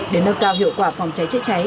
để nâng cao hiệu quả phòng cháy chữa cháy